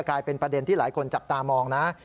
กลายเป็นประเด็นที่หลายคนจับตามองนะ